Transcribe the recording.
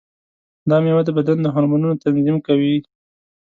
دا مېوه د بدن د هورمونونو تنظیم کوي.